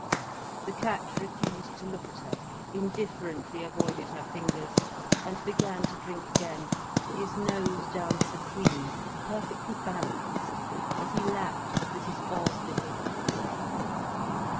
The cat refused to look at her, indifferently avoided her fingers, and began to drink again, his nose down to the cream, perfectly balanced, as he lapped with his odd little click.